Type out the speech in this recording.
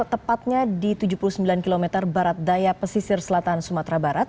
tepatnya di tujuh puluh sembilan km barat daya pesisir selatan sumatera barat